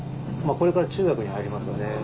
これから中学に入りますよね。